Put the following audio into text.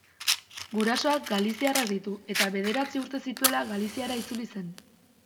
Gurasoak galiziarrak ditu eta, bederatzi urte zituela, Galiziara itzuli zen.